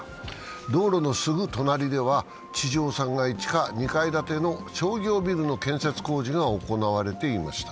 道路のすぐ隣では地上３階、地下２階の商業ビルの建設工事が行われていました。